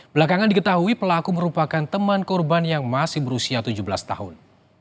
belakangan diketahui pelaku merupakan teman korban yang masih berusia tujuh belas tahun